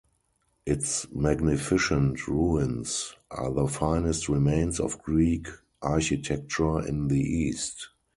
Its magnificent ruins are the finest remains of Greek architecture in the East.